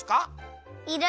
いる。